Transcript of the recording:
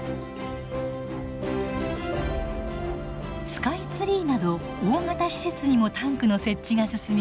スカイツリーなど大型施設にもタンクの設置が進み